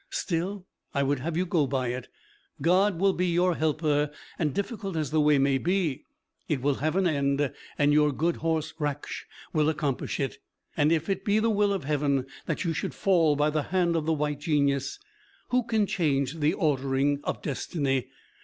Still, I would have you go by it. God will be your helper; and difficult as the way may be, it will have an end, and your good horse Raksh will accomplish it. And if it be the will of Heaven that you should fall by the hand of the White Genius, who can change the ordering of destiny?